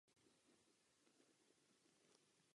Během života pak získal řadu ocenění za svou práci.